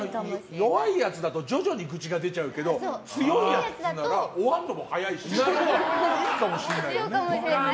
弱いやつだと徐々に愚痴が出ちゃうけど強いやつなら終わるのも早いしいいかもしれないですね。